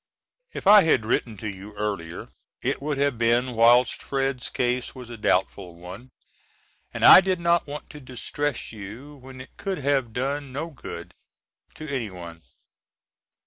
If I had written to you earlier it would have been whilst Fred's case was a doubtful one, and I did not want to distress you when it could have done no good to anyone.